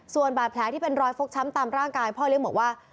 ส่วนบาดแผลที่เป็นรอยฟกช้ำตามร่างกายพ่อเลี้ยงบอกว่า